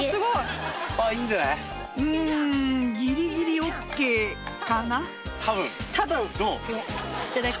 うんギリギリＯＫかな多分どう？